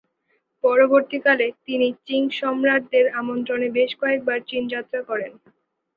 পরবর্তীকালে তিনি চিং সম্রাটদের আমন্ত্রণে বেশ কয়েকবার চীন যাত্রা করেন।